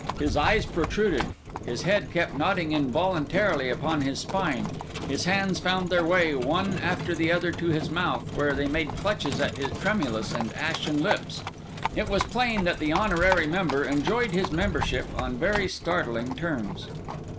His eyes protruded; his head kept nodding involuntarily upon his spine; his hands found their way, one after the other, to his mouth, where they made clutches at his tremulous and ashen lips. It was plain that the honorary member enjoyed his membership on very startling terms.